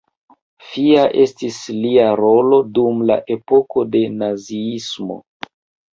Fia estis lia rolo dum la epoko de naziismo.